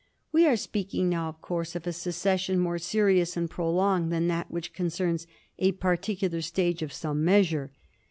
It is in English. We are speak ing now, of coarse, of a secession more serious and pro longed than that which concerns a particular stage of some measure.